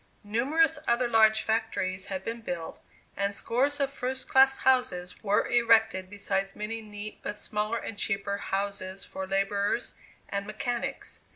Numerous other large factories had been built, and scores of first class houses were erected, besides many neat, but smaller and cheaper houses for laborers and mechanics.